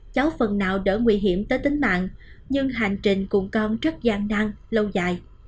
cháu phần nào đỡ nguy hiểm tới tính mạng nhưng hành trình cùng con rất gian nang lâu dài